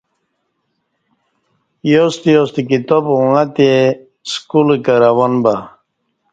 یوستہ یوستہ کتاب اوݣہ تہ سکول کہ روان بہ